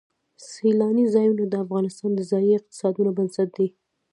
سیلانی ځایونه د افغانستان د ځایي اقتصادونو بنسټ دی.